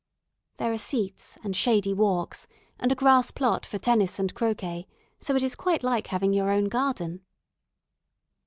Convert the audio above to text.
There are seats and shady walks and a grass plot for tennis and croquet; so it is quite like having your own garden.